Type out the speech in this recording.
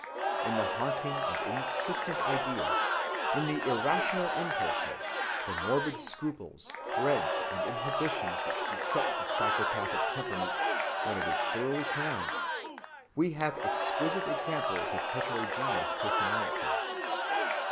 In the haunting and insistent ideas, in the irrational impulses, the morbid scruples, dreads, and inhibitions which beset the psychopathic temperament when it is thoroughly pronounced, we have exquisite examples of heterogeneous personality.